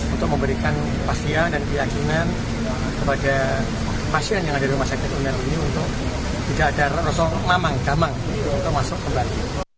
untuk memberikan pastian dan keyakinan kepada pasien yang ada di rumah sakit umil ini untuk tidak ada rasa gamang untuk masuk kembali